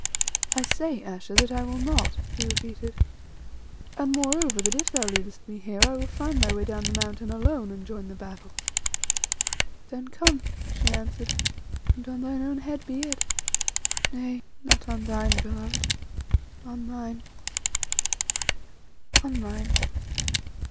"I say, Ayesha, that I will not," he repeated; "moreover, that if thou leavest me here I will find my way down the mountain alone, and join the battle." "Then come," she answered, "and on thine own head be it. Nay, not on thine beloved, on mine, on mine."